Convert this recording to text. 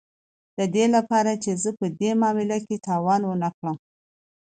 د دې لپاره چې زه په دې معامله کې تاوان ونه کړم